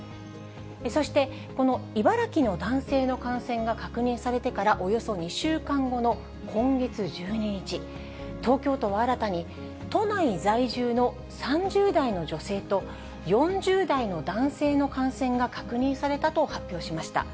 そして、この茨城の男性の感染が確認されてからおよそ２週間後の今月１２日、東京都は新たに、都内在住の３０代の女性と４０代の男性の感染が確認されたと発表しました。